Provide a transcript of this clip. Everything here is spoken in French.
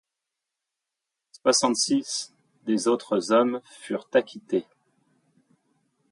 Soixante-six des autres hommes furent acquittés.